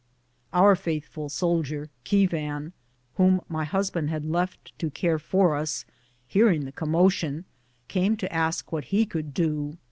Our faithful soldier, Keevan, whom my husband had left to care for us, hearing the commotion, came to ask what he could do.